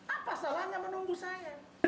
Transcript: apa salahnya menunggu saya